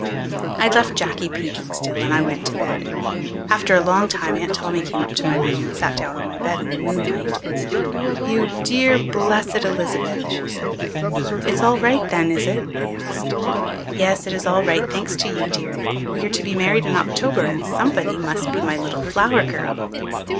I left Jacky peeking still and I went to bed. After a long time Aunt Tommy came up to my room and sat down on my bed in the moonlight. "You dear blessed Elizabeth!" she said. "It's all right then, is it?" I asked. "Yes, it is all right, thanks to you, dearie. We are to be married in October and somebody must be my little flower girl."